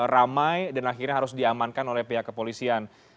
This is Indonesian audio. ramai dan akhirnya harus diamankan oleh pihak kepolisian